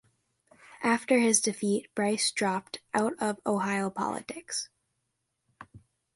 After his defeat, Brice dropped out of Ohio politics.